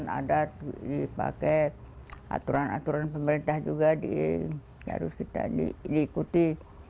dan semua ada aturan aturan adat dipakai aturan aturan pemerintah juga harus kita ikuti